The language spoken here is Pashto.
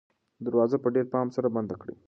دروازه په ډېر پام سره بنده کړه.